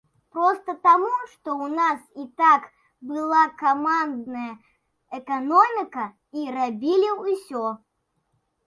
Проста таму, што ў нас і так была камандная эканоміка і рабілі ўсё.